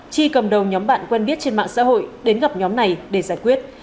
chi cầm đầu nhóm bạn quen biết trên mạng xã hội đến gặp nhóm này để giải quyết